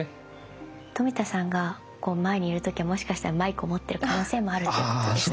富田さんが前にいる時はもしかしたらマイクを持ってる可能性もあるっていうことですか？